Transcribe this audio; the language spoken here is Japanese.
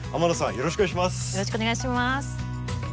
よろしくお願いします。